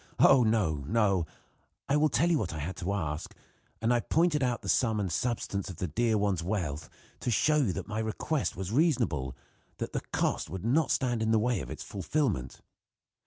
Oh! no, no: I will tell you what I had to ask, and I pointed out the sum and substance of the dear one's wealth to show that my request was reasonable that the cost would not stand in the way of its fulfillment.